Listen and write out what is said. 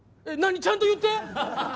ちゃんと言って。